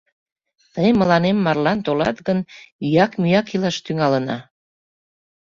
Тый мыланем марлан толат гын, ӱяк-мӱяк илаш тӱҥалына.